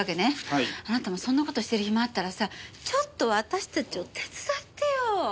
あなたもそんな事してる暇あったらさちょっとは私たちを手伝ってよ。